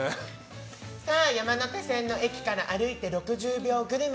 山手線の駅から歩いて６０秒グルメ。